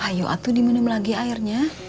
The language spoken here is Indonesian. ayo aku diminum lagi airnya